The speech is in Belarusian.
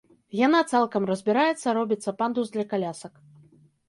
Яна цалкам разбіраецца, робіцца пандус для калясак.